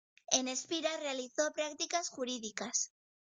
En Espira realizó prácticas jurídicas.